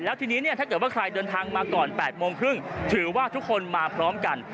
แล้วทีนี้เนี่ยถ้าเกิดว่าใครเดินทางมาก่อน๘โมงครึ่งถือว่าทุกคนมาพร้อมกัน